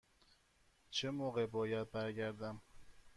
چه موقع باید برگردم؟